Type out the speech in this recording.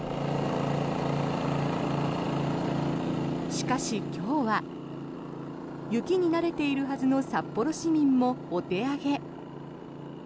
しかし、今日は雪に慣れているはずの札幌市民もお手上げ。